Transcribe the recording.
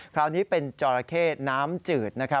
คราวนี้เป็นจอราเข้น้ำจืด